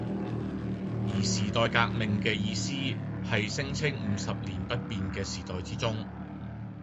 而「時代革命」嘅意思係聲稱五十年不變嘅時代之中